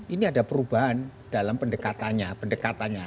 ini ada perubahan dalam pendekatannya pendekatannya